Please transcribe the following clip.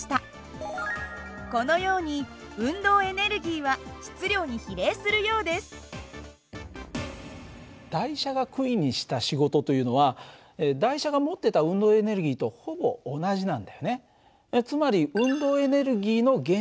このように台車が杭にした仕事というのは台車が持ってた運動エネルギーとほぼ同じなんだよね。